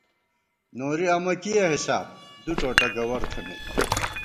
نوری امہ کِیَہ حِساب ، دُوٹوٹہ گوَر تھنَئیک